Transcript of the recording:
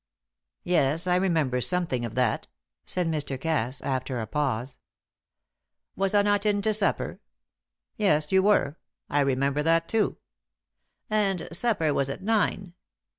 "Yes, I remember something of that," said Mr. Cass, after a pause. "Was I not in to supper?" "Yes, you were; I remember that too." "And supper was at nine?"